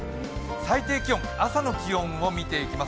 最低気温、朝の気温を見ていきます。